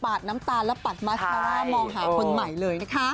ดน้ำตาลและปัดมัสซาร่ามองหาคนใหม่เลยนะคะ